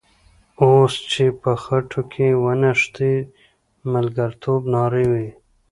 اوس چې په خټو کې ونښتې د ملګرتوب نارې وهې.